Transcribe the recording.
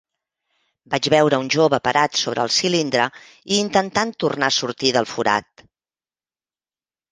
Vaig veure un jove parat sobre el cilindre i intentant tornar a sortir del forat.